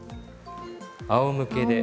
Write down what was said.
あおむけで。